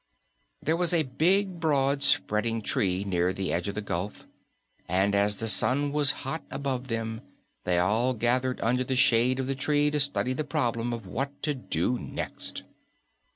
There was a big, broad, spreading tree near the edge of the gulf, and as the sun was hot above them, they all gathered under the shade of the tree to study the problem of what to do next.